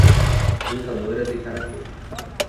Lutadora de karatê